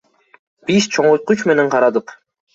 Биз чоңойткуч менен карадык.